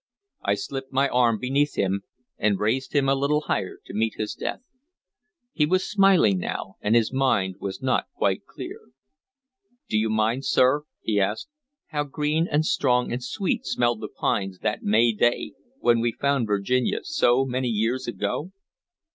I slipped my arm beneath him and raised him a little higher to meet his death. He was smiling now, and his mind was not quite clear. "Do you mind, sir," he asked, "how green and strong and sweet smelled the pines that May day, when we found Virginia, so many years ago?"